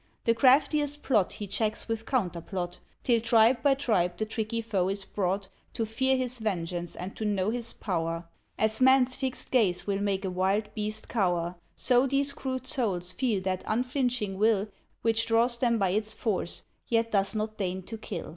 The craftiest plot he checks with counterplot, Till tribe by tribe the tricky foe is brought To fear his vengeance and to know his power As man's fixed gaze will make a wild beast cower, So these crude souls feel that unflinching will Which draws them by its force, yet does not deign to kill.